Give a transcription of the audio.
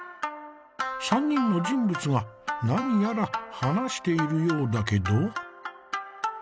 ３人の人物が何やら話しているようだけど。